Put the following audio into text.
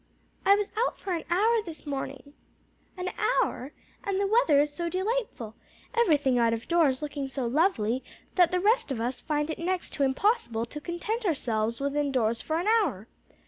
"I was out for an hour this morning." "An hour! and the weather is so delightful, everything out of doors looking so lovely, that the rest of us find it next to impossible to content ourselves within doors for an hour.